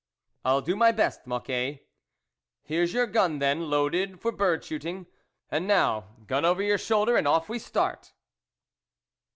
" I'll do my best, Mocquet." " Here's your gun, then, loaded for bird shooting; and now, gun over your shoulder, and off we start."